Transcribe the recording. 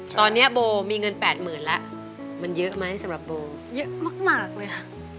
ตอนนี้โบมีเงินแปดหมื่นแล้วมันเยอะไหมสำหรับโบเยอะมากเลยค่ะ